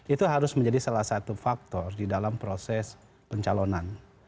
itu harus menjadi salah satu faktor di dalam proses pencalonan